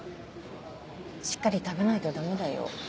しっかり食べないとダメだよ。